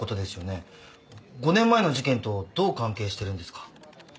５年前の事件とどう関係してるんですか？